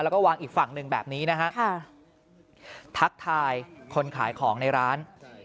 แล้วก็วางอีกฝั่งหนึ่งแบบนี้นะฮะทักทายคนขายของในร้าน